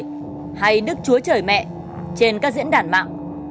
đức chúa trời hay đức chúa trời mẹ trên các diễn đàn mạng